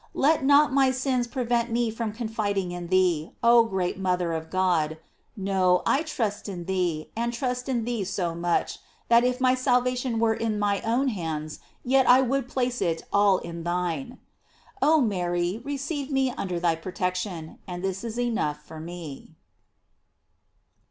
Let not my sins prevent me from confiding in thee, oh great mother of God; no, I trust in thee, and trust in thee so much, that if my salvation were in my own hands, yet I would place it all in thine. Oh Mary, receive me under thy protection, and this is enough for me.